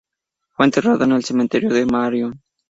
Fue enterrado en el cementerio de Marion